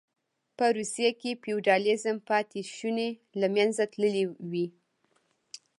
په روسیه کې د فیوډالېزم پاتې شوني له منځه تللې وې